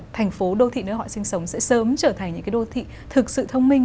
thành phố đô thị nơi họ sinh sống sẽ sớm trở thành những đô thị thực sự thông minh